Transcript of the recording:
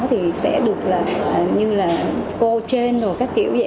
thì sẽ được như là cô trên hoặc các kiểu vậy